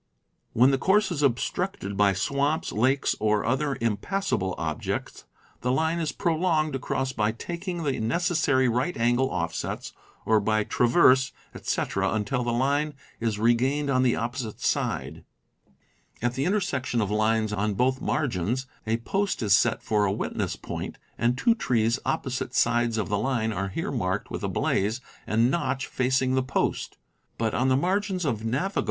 When the course is obstructed by swamps, lakes, or other impassable objects, the line is prolonged across by taking the necessary right angle offsets, or by trav erse, etc., until the line is regained on the opposite side. At the intersection of lines on both margins, a post is set for a witness point, and two trees on oppo site sides of the line are here marked with a blaze and notch facing the post; but on the margins of navigable BLAZES, SURVEY LINES, ETC.